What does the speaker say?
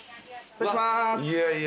失礼します。